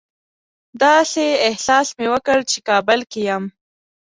داسې احساس مې وکړ چې کابل کې یم.